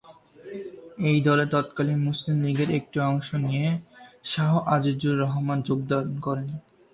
এই দলে তৎকালীন মুসলিম লীগের একটি অংশ নিয়ে শাহ আজিজুর রহমান যোগদান করেন।